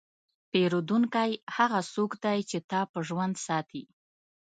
پیرودونکی هغه څوک دی چې تا په ژوند ساتي.